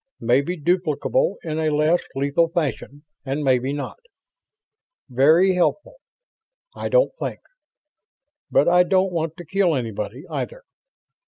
Maybe duplicable in a less lethal fashion, and maybe not. Veree helpful I don't think. But I don't want to kill anybody, either